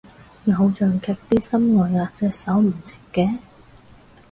偶像劇啲心外壓隻手唔直嘅